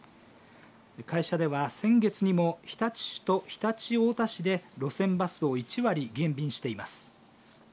会社では、先月にも日立市と常陸太田市で路線バスを１割減便しています。